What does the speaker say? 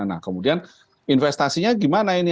nah kemudian investasinya gimana ini